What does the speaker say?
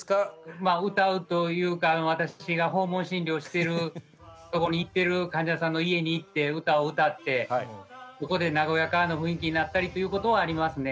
まあ歌うというか私が訪問診療してるとこに行ってる患者さんの家に行って歌を歌ってそこで和やかな雰囲気になったりということはありますね。